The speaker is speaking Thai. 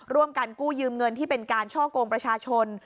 ร่วมกันกู้ยืมเงินที่เป็นการช่อกงประชาชน